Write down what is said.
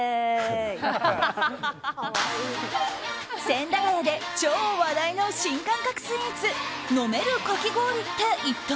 千駄ヶ谷で超話題の新感覚スイーツ飲めるかき氷って一体？